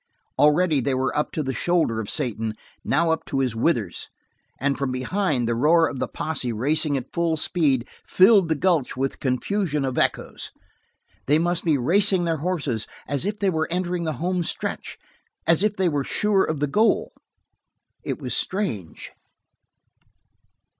Already they were up to the shoulder of Satan, now up to his withers, and from behind the roar of the posse racing at full speed, filled the gulch with confusion of echoes. They must be racing their horses as if they were entering the homestretch, as if they were sure of the goal. It was strange.